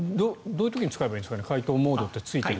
どういう時に使えばいいんですかね